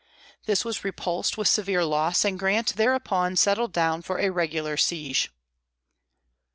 This was repulsed with severe loss, and Grant thereupon settled down for a regular siege.